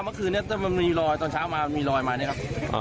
เมื่อคืนนี้มันมีรอยตอนเช้ามามีรอยมาเนี่ยครับ